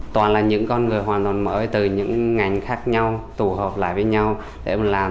toàn là những con người hoàn toàn mới từ những ngành khác nhau tụ hợp lại với nhau để làm